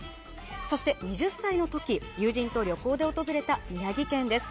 そして、２０歳の時友人と旅行で訪れた宮城県です。